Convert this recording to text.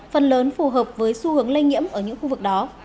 phần lớn phù hợp với xu hướng lây nhiễm ở những khu vực đó